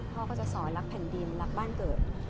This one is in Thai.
พ่อก็จะสอนรักแผ่นดินรักบ้านเกิด